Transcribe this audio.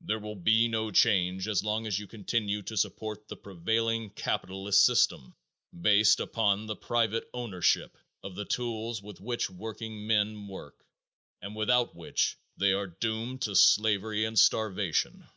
There will be no change as long as you continue to support the prevailing capitalist system, based upon the private ownership of the tools with which workingmen work and without which they are doomed to slavery and starvation.